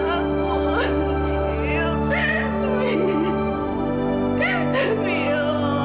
kamu harus tenang ya